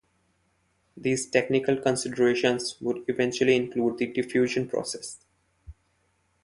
These technical considerations would eventually include the diffusion process.